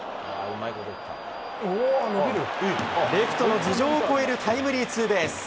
レフトの頭上を越えるタイムリーツーベース。